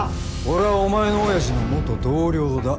俺はお前の親父の元同僚だ